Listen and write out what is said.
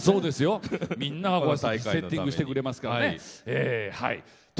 みんながセッティングしてくれますからね。